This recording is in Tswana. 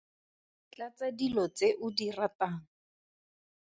Tlatsa dilo tse o di ratang.